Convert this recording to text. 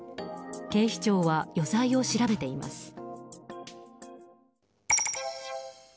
警視庁は余罪を調べています。